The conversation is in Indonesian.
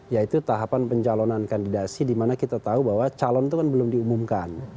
yaitu tahapan pencalonan kandidasi dimana kita tahu bahwa calon itu kan belum diumumkan